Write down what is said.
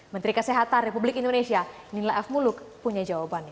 menteri kesehatan republik indonesia nila f muluk punya jawabannya